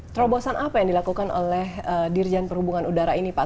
terobosan apa yang dilakukan oleh dirjen perhubungan udara ini pak